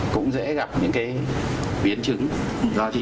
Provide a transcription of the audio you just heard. cũng dễ gặp những cái biến trường này